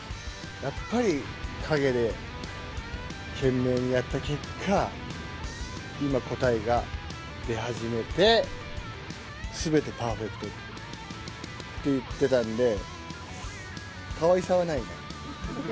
やっぱり陰で懸命にやった結果、今、答えが出始めて、すべてパーフェクトって言ってたんで、かわいさはないよね。